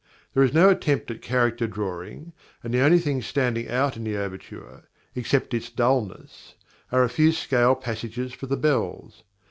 There is no attempt at character drawing, and the only things standing out in the overture, except its dullness, are a few scale passages for the bells.